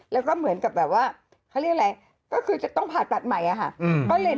แล้วก็เหมือนกับแบบว่าเค้าเรียกว่าอะไรก็คือทุกต้องผ่าตัดใหม่ก็เลย